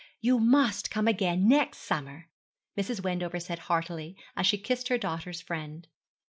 'You must come again next summer, Mrs. Wendover said heartily, as she kissed her daughter's friend.